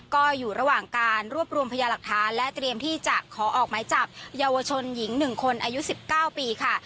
ก็อยู่ระหว่างการรวบรวมพยาหลักฐานและเตรียมที่จะขอออกหมายจับเยาวชนหญิง๑คนอายุ๑๙ปีค่ะ